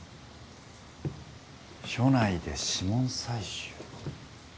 署内で指紋採取？